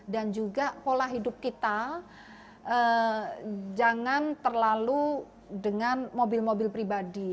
dan juga pola hidup kita jangan terlalu dengan mobil mobil pribadi